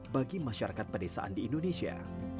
bagi masyarakat pedesaan di indonesia